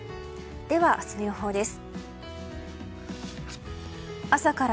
では、明日の予報です。